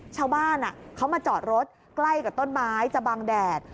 ชาวบ้านเขามาจอดรถใกล้กับต้นไม้จะบังแดด